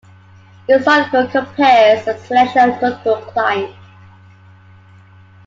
This article compares a selection of notable clients.